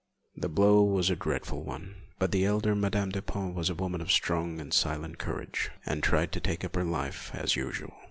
The blow was a dreadful one, but the elder Madame Dupin was a woman of strong and silent courage, and tried to take up her life as usual.